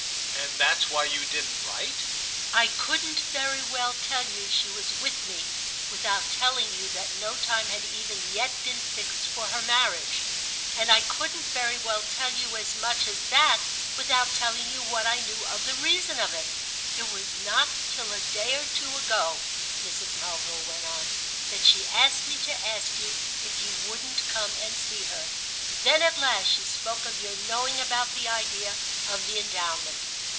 "And that's why you didn't write?" "I couldn't very well tell you she was with me without telling you that no time had even yet been fixed for her marriage. And I couldn't very well tell you as much as that without telling you what I knew of the reason of it. It was not till a day or two ago," Mrs. Mulville went on, "that she asked me to ask you if you wouldn't come and see her. Then at last she spoke of your knowing about the idea of the Endowment."